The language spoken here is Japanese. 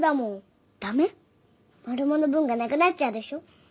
マルモの分がなくなっちゃうでしょ。